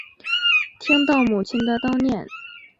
听到母亲的叨念